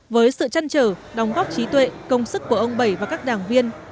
với sự chăn trở đóng góp trí tuệ công sức của ông bảy và các đảng viên